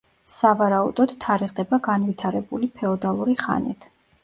სავარაუდოდ თარიღდება განვითარებული ფეოდალური ხანით.